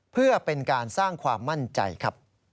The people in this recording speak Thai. เพื่อเป็นการสร้างความมั่นใจครับ